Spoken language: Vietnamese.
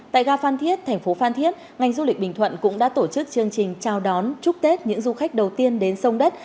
tại ga phan thiết thành phố phan thiết ngành du lịch bình thuận cũng đã tổ chức chương trình chào đón chúc tết những du khách đầu tiên đến sông đất